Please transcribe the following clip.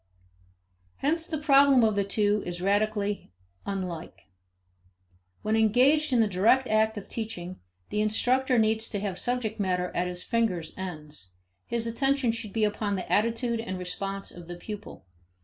Hence the problem of the two is radically unlike. When engaged in the direct act of teaching, the instructor needs to have subject matter at his fingers' ends; his attention should be upon the attitude and response of the pupil.